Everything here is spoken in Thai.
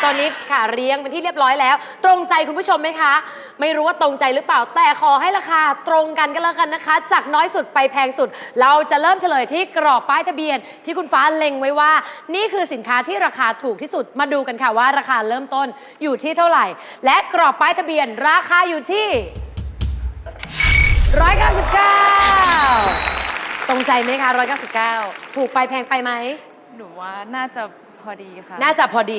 ตอนนี้ค่ะเรียงเป็นที่เรียบร้อยแล้วตรงใจคุณผู้ชมไหมคะไม่รู้ว่าตรงใจหรือเปล่าแต่ขอให้ราคาตรงกันกันแล้วกันนะคะจากน้อยสุดไปแพงสุดเราจะเริ่มเฉลยที่กรอกป้ายทะเบียนที่คุณฟ้าเล็งไว้ว่านี่คือสินค้าที่ราคาถูกที่สุดมาดูกันค่ะว่าราคาเริ่มต้นอยู่ที่เท่าไหร่และกรอกป้ายทะเบียนราคา